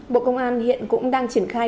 bộ công an hiện cũng đang triển khai